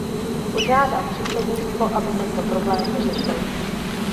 Požádám předsednictvo, aby tento problém vyřešilo.